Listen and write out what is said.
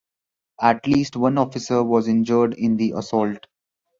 At least one officer was injured in the assault.